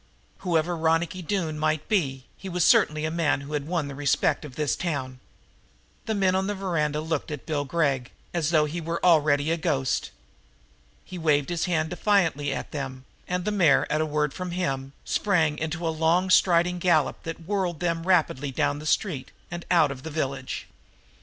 Whoever Ronicky Doone might be, he was certainly a man who had won the respect of this town. The men on the veranda looked at Bill Gregg as though he were already a ghost. He waved his hand defiantly at them and the mare, at a word from him, sprang into a long striding gallop that whirled them rapidly down the street and out of the village.